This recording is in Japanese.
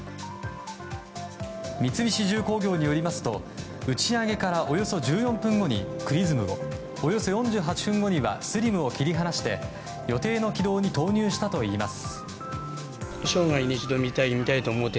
三菱重工業によりますと打ち上げからおよそ１４分後に「ＸＲＩＳＭ」をおよそ４８分後には「ＳＬＩＭ」を切り離して予定の軌道に投入したといいます。